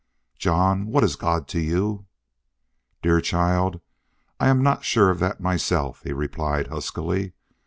"John, what is God to you?" "Dear child, I I am not sure of that myself," he replied, huskily.